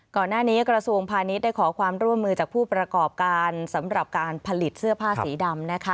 ก่อนหน้านี้กระทรวงพาณิชย์ได้ขอความร่วมมือจากผู้ประกอบการสำหรับการผลิตเสื้อผ้าสีดำนะคะ